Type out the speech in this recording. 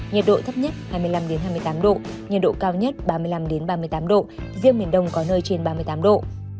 nhiệt độ thấp nhất hai mươi năm hai mươi tám độ nhiệt độ cao nhất ba mươi năm ba mươi tám độ riêng miền đông có nơi trên ba mươi tám độ